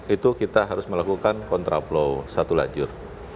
itu kita harus melakukan kontraplow satu lajur